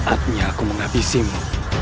akhirnya aku menghabisimu